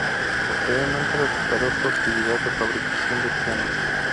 Posteriormente recuperó su actividad de fabricación de pianos.